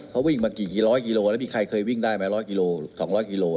เขาวิ่งมากี่ร้อยกิโลแล้วมีใครเคยวิ่งได้มาร้อยกิโลสองร้อยกิโล